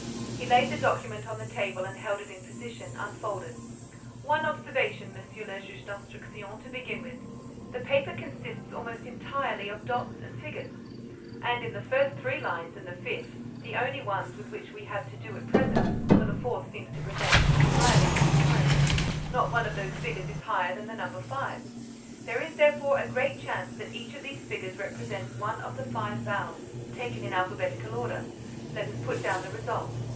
He laid the document on the table and held it in position, unfolded: "One observation, Monsieur le Juge d'Instruction, to begin with. The paper consists almost entirely of dots and figures. And in the first three lines and the fifth—the only ones with which we have to do at present, for the fourth seems to present an entirely different character—not one of those figures is higher than the figure 5. There is, therefore, a great chance that each of these figures represents one of the five vowels, taken in alphabetical order. Let us put down the result."